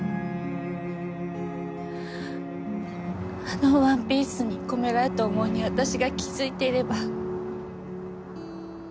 あのワンピースに込められた思いに私が気づいていれば。